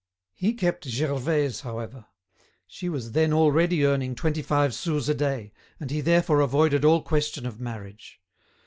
He kept Gervaise, however; she was then already earning twenty five sous a day, and he therefore avoided all question of marriage.